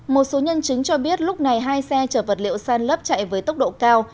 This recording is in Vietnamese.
một số nhân chứng cho biết lúc này hai xe chở vật liệu san lấp chạy với tốc độ cao